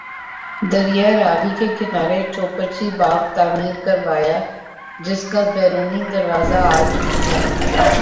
دریائے راوی کے کنارے چوبرجی باغ تعمیر کروایا جس کا بیرونی دروازہ آج بھی موجود ہے